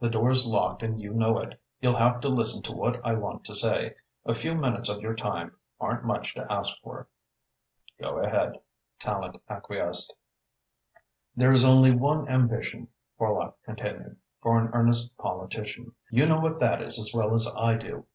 "The door's locked and you know it. You'll have to listen to what I want to say. A few minutes of your time aren't much to ask for." "Go ahead," Tallente acquiesced. "There is only one ambition," Horlock continued, "for an earnest politician. You know what that is as well as I do.